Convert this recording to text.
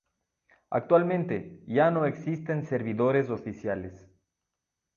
Actualmente, ya no existen servidores oficiales.